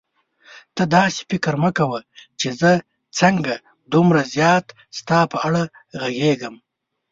ته داسې فکر مه کوه چې زه څنګه دومره زیاته ستا په اړه غږېږم.